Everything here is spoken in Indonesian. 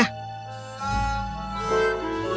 kita harus mencari tahu kebenarannya